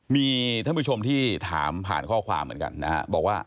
มีท่านผู้ชมที่ถามผ่านข้อความเหมือนกันนะฮะบอกว่า